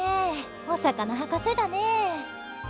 お魚博士だね。